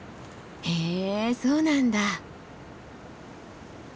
へえそうなんだ。